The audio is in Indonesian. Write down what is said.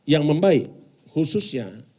yang membaik khususnya